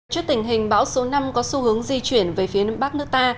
trước tình hình bão số năm có xu hướng di chuyển về phía nước bắc nước ta